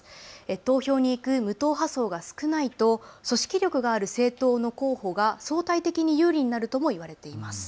投票に行く無党派層が少ないと組織力がある政党の候補が相対的に有利になるとも言われています。